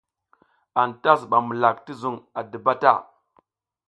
Anta zuɓam mulak ti zuƞ a diba ta.